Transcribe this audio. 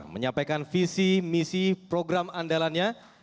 menyampaikan visi misi program andalannya